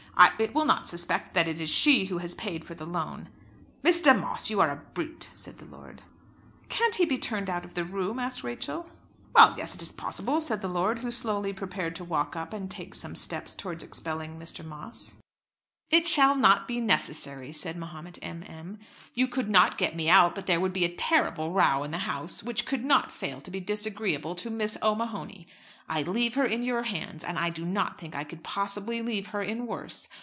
It will not suspect that it is she who has paid for the loan!" "Mr. Moss, you are a brute," said the lord. "Can't he be turned out of the room?" asked Rachel. "Well, yes; it is possible," said the lord, who slowly prepared to walk up and take some steps towards expelling Mr. Moss. "It shall not be necessary," said Mahomet M. M. "You could not get me out, but there would be a terrible row in the house, which could not fail to be disagreeable to Miss O'Mahony. I leave her in your hands, and I do not think I could possibly leave her in worse.